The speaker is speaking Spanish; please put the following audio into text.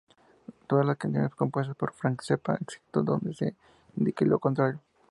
Todas las canciones compuestas por Frank Zappa, excepto donde se indique lo contrario.